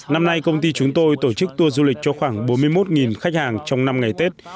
năm nay công ty chúng tôi tổ chức tour du lịch cho khoảng bốn mươi một khách hàng trong năm ngày tết